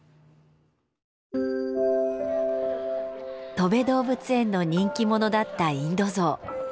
とべ動物園の人気者だったインドゾウ。